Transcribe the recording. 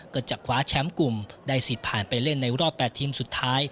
ก็จะคว้าแชมป์กลุ่มได้สิทธิ์ผ่านไปเล่นในรอบ๘ทีมสุดท้าย